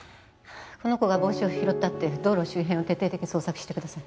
この子が帽子を拾ったっていう道路周辺を徹底的に捜索してください。